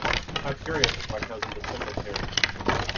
How curious of my cousin to send us here!